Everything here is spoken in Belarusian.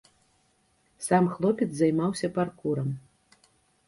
Сам хлопец займаўся паркурам.